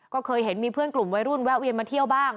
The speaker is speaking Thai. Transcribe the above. ก็เคยเห็นมีเพื่อนกลุ่มวัยรุ่นแวะเวียนมาเที่ยวบ้าง